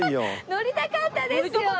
乗りたかったです。